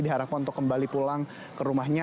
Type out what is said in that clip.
diharapkan untuk kembali pulang ke rumahnya